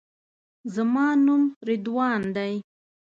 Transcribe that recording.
زما نوم رضوان دی.